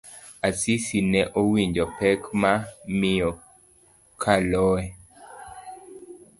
Asisi ne owinjo pek ma miyo kaloe.